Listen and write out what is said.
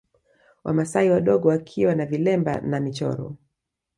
Wamasai wadogo wakiwa na vilemba na michoro